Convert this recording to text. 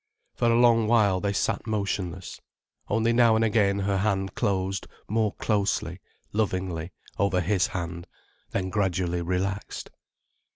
For a long while they sat motionless. Only now and again her hand closed more closely, lovingly, over his hand, then gradually relaxed.